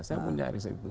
saya punya research itu